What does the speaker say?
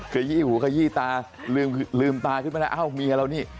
ขยี้หูขยี้ตาลืมตาขึ้นมาแล้วอ้าวเมียเรานี่